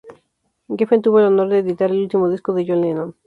Geffen tuvo el honor de editar el último disco de John Lennon.